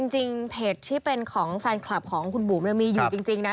จริงเพจที่เป็นของแฟนคลับของคุณบุ๋มมีอยู่จริงนะ